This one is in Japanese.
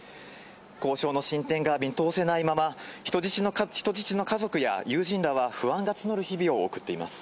交渉の進展が見通せないまま人質の家族や友人らは不安が募る日々を送っています。